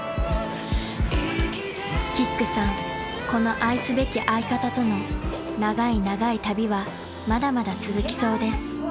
［キックさんこの愛すべき相方との長い長い旅はまだまだ続きそうです］